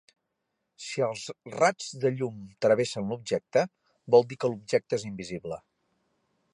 Si els raigs de llum travessen l'objecte, vol dir que l'objecte és invisible.